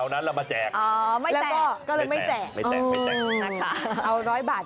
ไม่แจกข้อ